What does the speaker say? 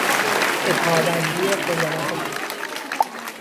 به کاربندی قضاوت خوب